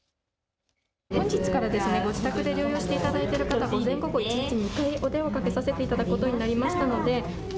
本日からご自宅で療養していただいている方に午前午後一日２回お電話かけさせていただくことになりましたので。